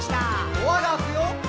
「ドアが開くよ」